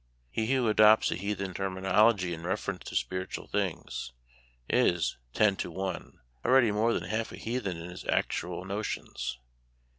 He who adopts a heathen terminol ogy in reference to spiritual things is, ten to one, already more than half a heathen in his actual notions.